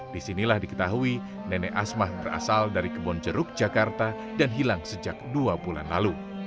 disinilah diketahui nenek asmah berasal dari kebonjeruk jakarta dan hilang sejak dua bulan lalu